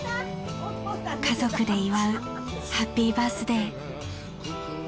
［家族で祝うハッピーバースデー］